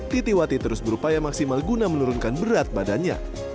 titiwati terus berupaya maksimal guna menurunkan berat badannya